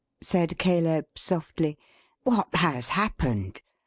said Caleb, softly. "What has happened?